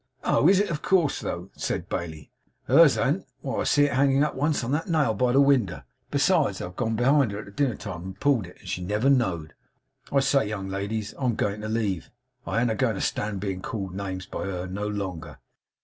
'Oh, is it of course, though?' said Bailey. 'I know better than that. Hers an't. Why, I see it hanging up once, on that nail by the winder. Besides, I have gone behind her at dinner time and pulled it; and she never know'd. I say, young ladies, I'm a going to leave. I an't a going to stand being called names by her, no longer.